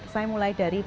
saya mulai dari bulan